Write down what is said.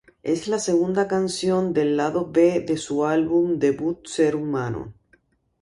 Es la segunda canción del lado b de su álbum debut Ser humano!!